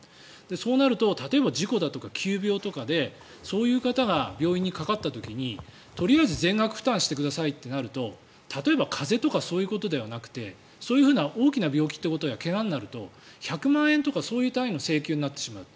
そうなると例えば事故だとか急病とかでそういう方が病院にかかった時にとりあえず全額負担してくださいとなると例えば風邪とかそういうことではなくてそういう大きな病気や怪我になると１００万円とかそういう単位の請求になってしまう。